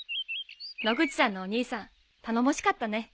野口さんのお兄さん頼もしかったね。